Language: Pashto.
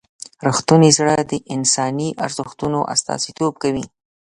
رښتونی زړه د انساني ارزښتونو استازیتوب کوي.